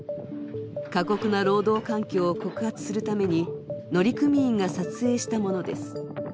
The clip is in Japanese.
過酷な労働環境を告発するために乗組員が撮影したものです。